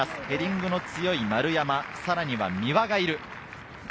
ヘディングの強い丸山、さらには三輪がいる。